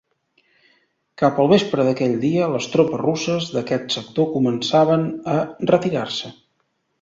Cap al vespre d'aquell dia les tropes russes d'aquest sector començaven a retirar-se.